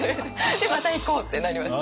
でまた行こうってなりました。